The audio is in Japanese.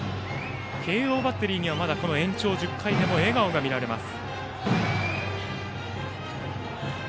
慶応バッテリーには延長１０回でも笑顔が見られます。